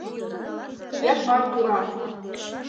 Ятман пура.